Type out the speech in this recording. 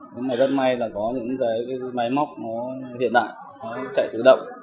nhưng mà rất may là có những cái máy móc nó hiện đại nó chạy tự động